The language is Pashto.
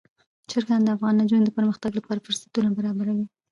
چرګان د افغان نجونو د پرمختګ لپاره فرصتونه برابروي.